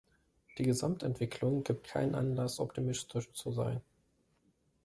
Die Gesamtentwicklung gibt keinen Anlass, optimistisch zu sein.